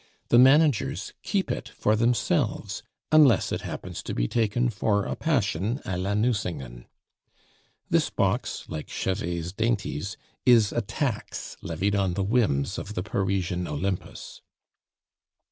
The managers keep it for themselves, unless it happens to be taken for a passion a la Nucingen. This box, like Chevet's dainties, is a tax levied on the whims of the Parisian Olympus.